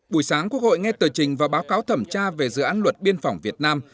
buổi sáng quốc hội nghe tờ trình và báo cáo thẩm tra về dự án luật biên phòng việt nam